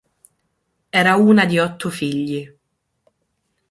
Era una di otto figli.